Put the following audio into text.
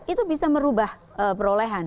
itu bisa merubah perolehan